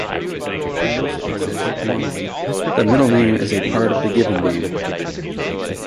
In most cases, formally, the middle name is a part of the given name.